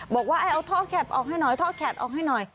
บอกว่าให้เอาท่อแข็บออกให้หน่อยท่อแข็บออกให้หน่อย